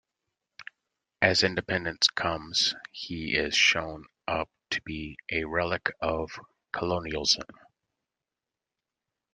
As independence comes he is shown up to be a relic of colonialism.